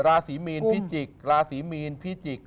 ราศีมีนพิจิกษ์ราศีมีนพิจิกษ